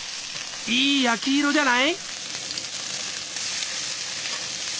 いい焼き色じゃない？